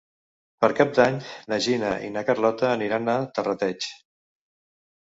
Per Cap d'Any na Gina i na Carlota aniran a Terrateig.